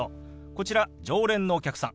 こちら常連のお客さん。